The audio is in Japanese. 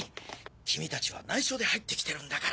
君たちは内緒で入ってきてるんだから。